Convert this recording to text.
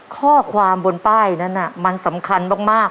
ข้อความบนป้ายนั้นมันสำคัญมาก